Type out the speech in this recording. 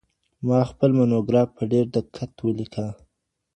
ما خپل مونوګراف په ډیر دقت ولیکه.